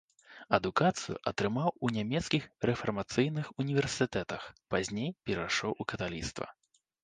Адукацыю атрымаў у нямецкіх рэфармацыйных універсітэтах, пазней перайшоў у каталіцтва.